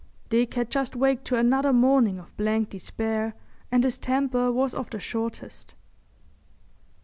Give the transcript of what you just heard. Dick had just waked to another morning of blank despair and his temper was of the shortest.